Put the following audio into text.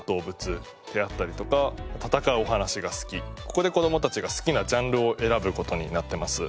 ここで子どもたちが好きなジャンルを選ぶ事になってます。